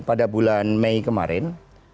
pada bulan mei kemarin